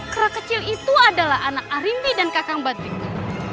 kera kecil itu adalah anak arimbi dan kakak badrika